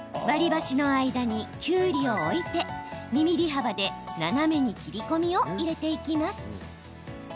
割り箸の間にきゅうりを置いて２ｍｍ幅で、斜めに切り込みを入れていきます。